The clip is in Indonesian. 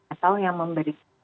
atau yang memberi